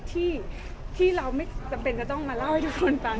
ที่เราไม่จำเป็นจะต้องมาเล่าให้ทุกคนฟัง